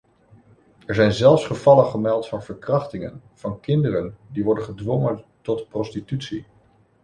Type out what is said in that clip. Er zijn zelfs gevallen gemeld van verkrachtingen van kinderen, die worden gedwongen tot prostitutie.